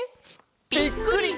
「ぴっくり！